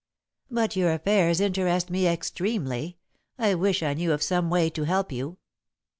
"But your affairs interest me extremely, I wish I knew of some way to help you."